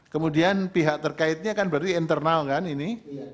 kemudian pihak terkaitnya kan berarti internal kan ini